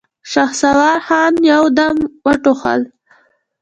شهسوار خان يودم وټوخل.